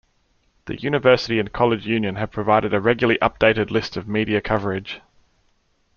The University and College Union have provided a regularly-updated list of media coverage.